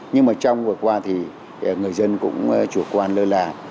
nhưng mà trong vừa qua thì người dân cũng chủ quan lơ là